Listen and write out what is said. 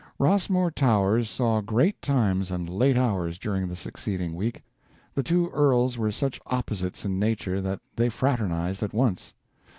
Rossmore Towers saw great times and late hours during the succeeding week. The two earls were such opposites in nature that they fraternized at once.